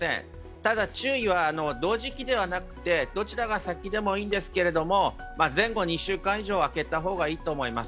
ただ注意は、同時期ではなくてどちらが先でもいいんですけれども前後２週間以上空けた方がいいと思います。